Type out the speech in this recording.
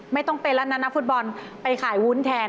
ไม่ต้องเป็นแล้วนะนักฟุตบอลไปขายวุ้นแทน